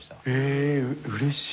えうれしい。